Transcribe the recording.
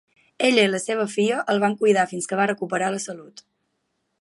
Ella i la seva filla el van cuidar fins que va recuperar la salut.